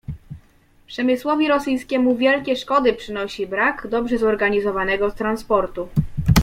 "Przemysłowi rosyjskiemu wielkie szkody przynosi brak dobrze zorganizowanego transportu."